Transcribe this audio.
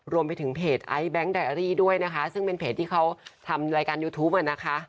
รวมไปถึงเพจไอซ์แบงค์ไดอารี่ด้วยนะคะซึ่งเป็นเพจที่เขาทำรายการยูทูปอ่ะนะคะ